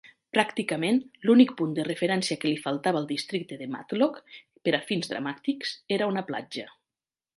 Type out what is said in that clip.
Pràcticament l'únic punt de referència que li faltava al districte de Matlock per a fins dramàtics era una platja.